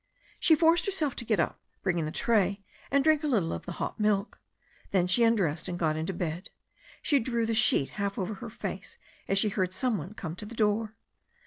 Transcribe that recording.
She forced herself to get up, bring in the tray, and drink a little of the hot milk. Then she undressed and got into bed. She drew the sheet half over her face as she heard some one come to the door.